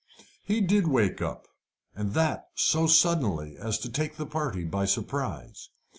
He did wake up, and that so suddenly as to take the party by surprise.